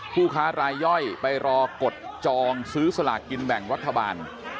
ผู้ค้ารายย่อยไปรอกดจองซื้อสลากกินแบ่งรัฐบาล